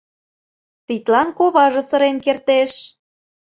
Тидлан коваже сырен кертеш.